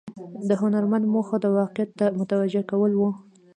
د هنرمند موخه د واقعیت ته متوجه کول و.